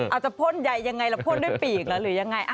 อาจจะพ่นใหญ่ยังไงล่ะพ่นด้วยปีกหรือยังไง